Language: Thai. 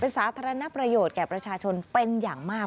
สาธารณประโยชน์แก่ประชาชนเป็นอย่างมาก